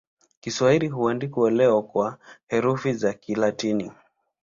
Kiswahili huandikwa leo kwa herufi za Kilatini.